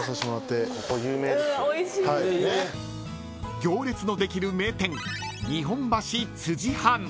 ［行列のできる名店日本橋］